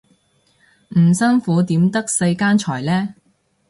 唔辛苦點得世間財呢